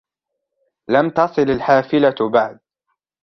لم تصل الحافلة بعد.